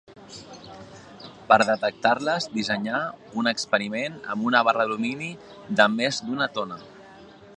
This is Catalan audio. Per detectar-les dissenyà un experiment amb una barra d'alumini de més d'una tona.